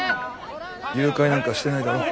誘拐なんかしてないだろ。